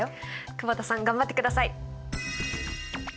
久保田さん頑張ってください！